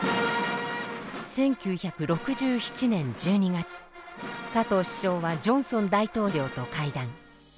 １９６７年１２月佐藤首相はジョンソン大統領と会談。